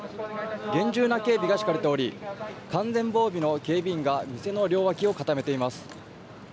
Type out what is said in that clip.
厳重な警備が敷かれており完全防備の警備員が店の両脇を固めています。